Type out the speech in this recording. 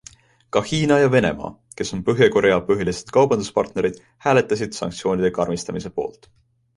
Ka Hiina ja ja Venemaa, kes on Põhja-Korea põhilised kaubanduspartnerid, hääletasid sanktsioonide karmistamise poolt.